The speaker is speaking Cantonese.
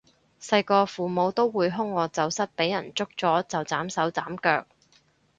細個父母都會兇我走失畀人捉咗就斬手斬腳